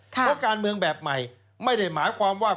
เพราะการเมืองแบบใหม่ไม่ได้หมายความว่า